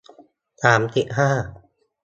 สามสิบห้า